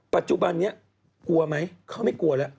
ปัจจุบันนี้กลัวไหมเขาไม่กลัวแล้ว